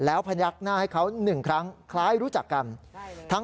แล้วพยักหน้าให้เขา๑ครั้งคล้ายรู้จักกัน